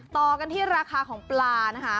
ต่อกันที่ราคาของปลานะคะ